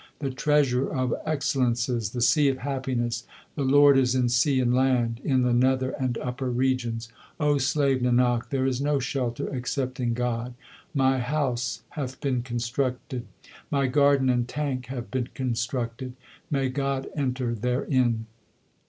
The Treasure of excellences, the Sea of happiness, the Lord is in sea and land, in the nether and upper regions. O slave Nanak, there is no shelter except in God. My house hath been constructed ; my garden and tank have been constructed ; may God enter therein